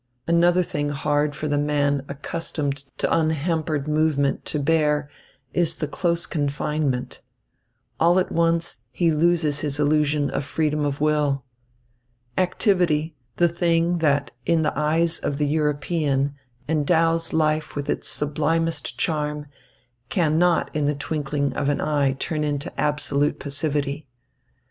Another thing hard for the man accustomed to unhampered movement to bear is the close confinement. All at once he loses his illusion of freedom of will. Activity, the thing that in the eyes of the European endows life with its sublimest charm, cannot in the twinkling of an eye turn into absolute passivity.